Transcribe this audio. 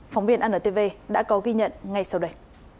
phóng viên antv đã có ghi nhận ngay sau đây